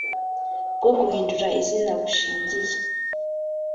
bwo guhindura izina bushingiye